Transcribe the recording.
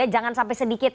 jangan sampai sedikit